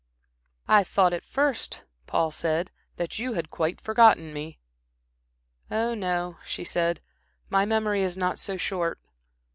"I thought at first," Paul said, "that you had quite forgotten me." "Oh, no," she said, "my memory is not so short."